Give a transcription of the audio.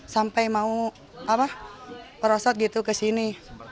sampai mau merosot gitu ke sini